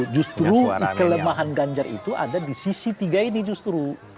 justru kelemahan ganjar itu ada di sisi tiga ini justru